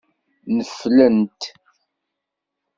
Neflent.